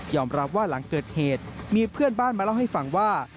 รับว่าหลังเกิดเหตุมีเพื่อนบ้านมาเล่าให้ฟังว่า